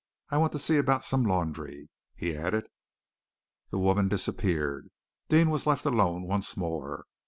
I want to see about some laundry," he added. The woman disappeared. Deane was left alone once more.